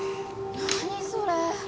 何それ。